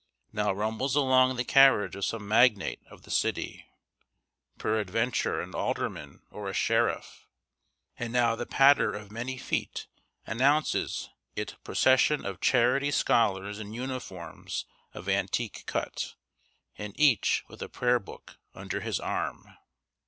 Now rumbles along the carriage of some magnate of the city, peradventure an alderman or a sheriff, and now the patter of many feet announces it procession of charity scholars in uniforms of antique cut, and each with a prayer book under his arm.